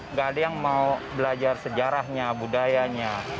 nggak ada yang mau belajar sejarahnya budayanya